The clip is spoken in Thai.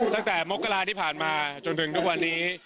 ตั้งแต่มกราทที่ผ่านมาจนถึงตอนนี้